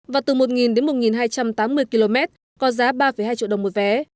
và từ một đến một hai trăm tám mươi km có giá ba hai triệu đồng một vé